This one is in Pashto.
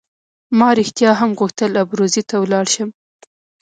ما رښتیا هم غوښتل ابروزي ته ولاړ شم.